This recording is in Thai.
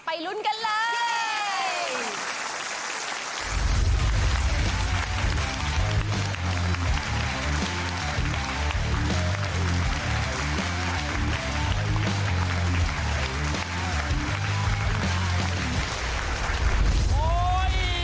ลุ้นกันเลย